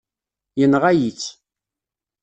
Yenɣa-yi-tt.